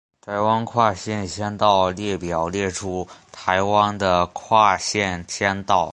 台湾跨县乡道列表列出台湾的跨县乡道。